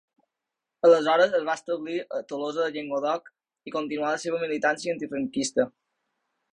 Aleshores es va establir a Tolosa de Llenguadoc i continuà la seva militància antifranquista.